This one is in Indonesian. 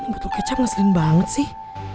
botol kecap ngeselin banget sih